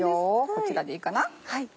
こちらでいいかな。